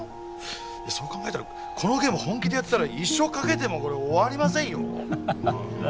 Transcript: そう考えたらこのゲーム本気でやったら一生かけても終わりませんよ。